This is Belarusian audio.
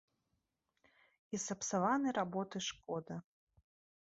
І сапсаванай работы шкода.